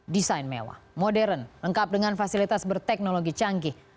desain mewah modern lengkap dengan fasilitas berteknologi canggih